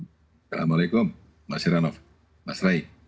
assalamualaikum mas siranov mas ray